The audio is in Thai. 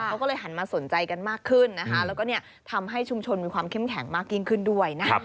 เขาก็เลยหันมาสนใจกันมากขึ้นนะคะแล้วก็ทำให้ชุมชนมีความเข้มแข็งมากยิ่งขึ้นด้วยนะ